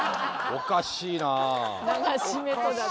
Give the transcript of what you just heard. おかしいな。